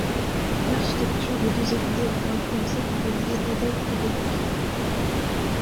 L'architecture des deux églises a été influencées par l'Église Adolphe-Frédéric.